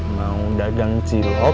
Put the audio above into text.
mau dagang cilok